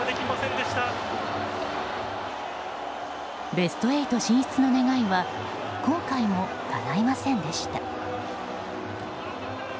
ベスト８進出の願いは今回も、かないませんでした。